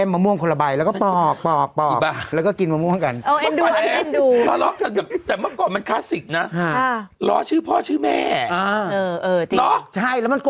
บันตราอากานตะตุ๊ดแน็กซักต่อยกัน